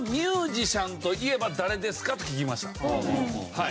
はい。